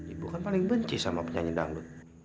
ibu kan paling benci sama penyanyi dangdut